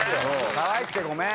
「かわいくてごめん」